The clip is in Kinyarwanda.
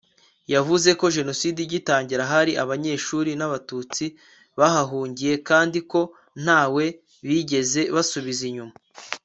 yavuze ko jenoside igitangira hari abanyeshuri n'abatutsi bahahungiye kandi ko nta we bigeze basubiza inyuma